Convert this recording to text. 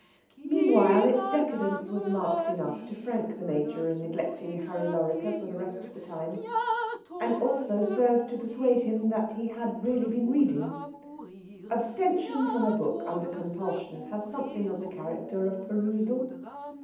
Meanwhile, its decadence was marked enough to frank the Major in neglecting "Harry Lorrequer" for the rest of the time, and also served to persuade him that he had really been reading. Abstention from a book under compulsion has something of the character of perusal.